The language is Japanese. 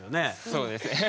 そうです。